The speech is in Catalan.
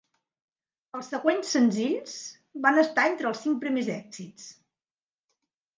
Els següents senzills van estar entre els cinc primers èxits.